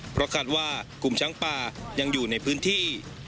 เพราะคาดว่ากลุ่มช้างป่ายังอยู่ในพื้นที่